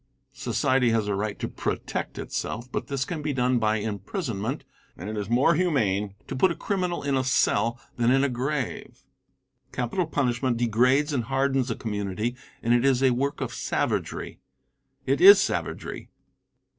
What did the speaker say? Society has a right to protect itself, but this can be done by imprisonment, and it is more humane to put a criminal in a cell than in a grave. Capital punishment degrades and hardens a community and it is a work of savagery. It is savagery.